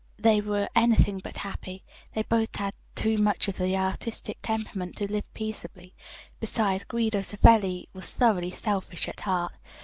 "They were anything but happy. They both had too much of the artistic temperament to live peaceably. Besides, Guido Savelli was thoroughly selfish at heart.